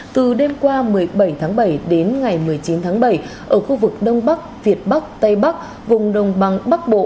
từ đêm qua một mươi bảy tháng bảy đến ngày một mươi chín tháng bảy ở khu vực đông bắc việt bắc tây bắc vùng đông băng bắc bộ